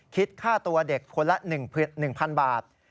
คิดค่าตัวเด็กคนละ๑๐๐๐บาท